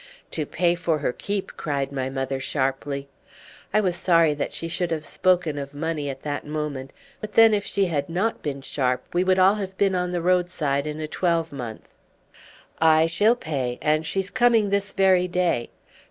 "To pay for her keep!" cried my mother sharply. I was sorry that she should have spoken of money at that moment, but then if she had not been sharp we would all have been on the roadside in a twelvemonth. "Aye, she'll pay, and she's coming this very day.